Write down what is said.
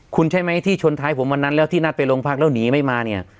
คุณใช่ไหมที่ชนท้ายผมวันนั้นแล้วที่นัดไปโรงพักแล้วหนีไม่มาเนี่ย